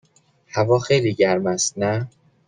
هوا خیلی گرم است، نه؟